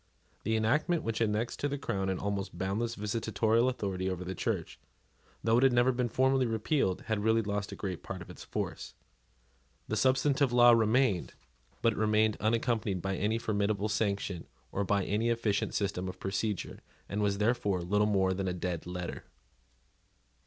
The enactment which annexed to the crown an almost boundless visitatorial authority over the Church, though it had never been formally repealed, had really lost a great part of its force. The substantive law remained; but it remained unaccompanied by any formidable sanction or by any efficient system of procedure, and was therefore little more than a dead letter.